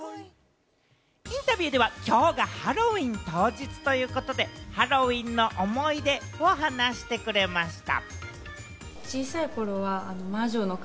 インタビューではきょうがハロウィーン当日ということで、ハロウィーンの思い出を話してくれました。